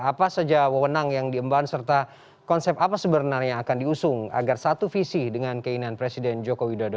apa saja wewenang yang diemban serta konsep apa sebenarnya yang akan diusung agar satu visi dengan keinginan presiden joko widodo